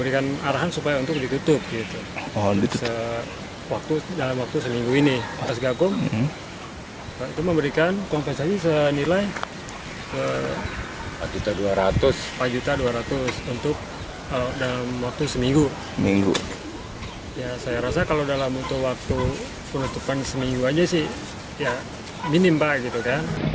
kalau dalam waktu seminggu saya rasa kalau dalam waktu penutupan seminggu saja ya minim pak